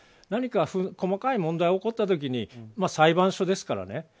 何か細かい問題が起こった時に裁判所ですからね。